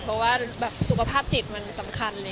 เพราะว่าสุขภาพจิตมันสำคัญเลย